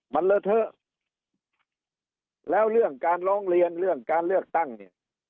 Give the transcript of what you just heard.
มันเลอะเทอะแล้วเรื่องการร้องเรียนเรื่องการเลือกตั้งเนี่ย